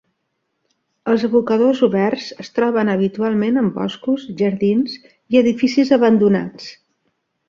Els abocadors oberts es troben habitualment en boscos, jardins i edificis abandonats.